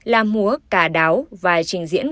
là múa cà đáo và trình diễn